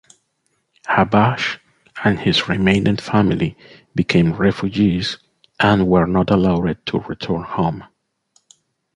Habash and his remaining family became refugees and were not allowed to return home.